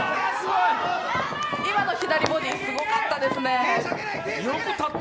今の左ボディすごかったですね。